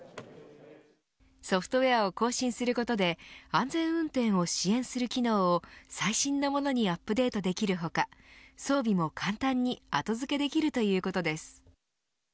ソフトウェアを更新することで安全運転を支援する機能を最新のものにアップデートできる他装備も簡単に後付けできるということです。